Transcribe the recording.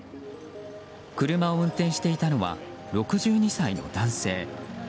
車を運転していたのは６２歳の男性。